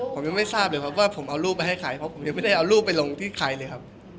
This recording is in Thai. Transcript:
ผมยังไม่ทราบเลยครับว่าผมเอารูปไปให้ใครเพราะผมยังไม่ได้เอารูปไปลงที่ใครเลยครับ